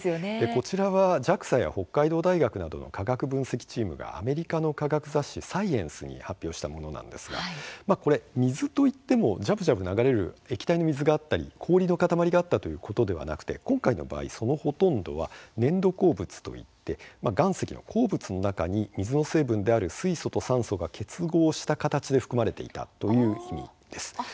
こちらはＪＡＸＡや北海道大学などの化学分析チームがアメリカの科学雑誌「サイエンス」に発表したものなんですが水といってもじゃぶじゃぶ流れる液体の水があったり、氷の塊があったということではなくて今回の場合そのほとんどは粘土鉱物といって岩石の鉱物の中に水の成分である水素と酸素が結合した形で含まれていたという意味です。